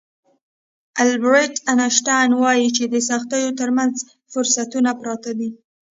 البرټ انشټاين وايي چې د سختیو ترمنځ فرصتونه پراته دي.